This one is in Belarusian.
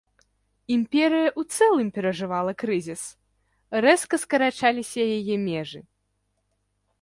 Імперыя ў цэлым перажывала крызіс, рэзка скарачаліся яе межы.